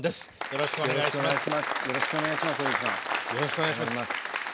よろしくお願いします。